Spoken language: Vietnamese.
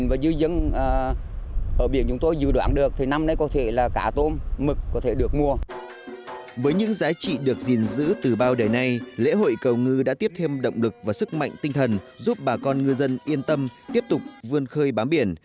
với những giá trị được gìn giữ từ bao đời nay lễ hội cầu ngư đã tiếp thêm động lực và sức mạnh tinh thần giúp bà con ngư dân yên tâm tiếp tục vươn khơi bám biển